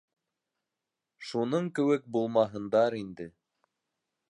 Шуның кеүек булмаһындар инде.